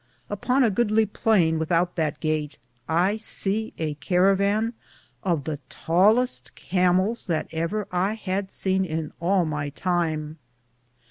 Upon a goodly plaine withoute that gate, I se a carravan of the Taleste (tallest) Camels that ever I had sene in all my time.